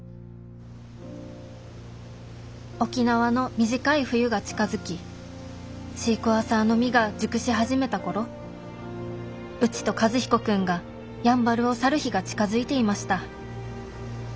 沖縄の短い冬が近づきシークワーサーの実が熟し始めた頃うちと和彦君がやんばるを去る日が近づいていました